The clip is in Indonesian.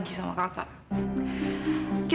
itu sama sekali